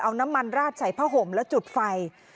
เอาน้ำมันราดใส่ผ้าห่มแล้วจุดไฟ